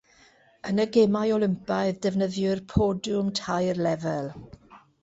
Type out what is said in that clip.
Yn y Gemau Olympaidd defnyddir podiwm tair lefel.